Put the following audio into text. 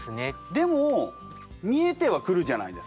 でも見えてはくるじゃないですか。